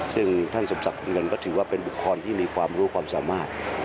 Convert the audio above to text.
ซึ่งท่านสมศักดิ์เงินก็ถือว่าเป็นบุคคลที่มีความรู้ความสามารถ